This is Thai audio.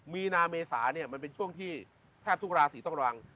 มีนาเมษาเนี่ยมันเป็นช่วงที่แทบทุกราศีต้องรัง